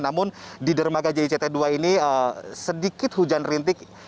namun di dermaga jict dua ini sedikit hujan rintik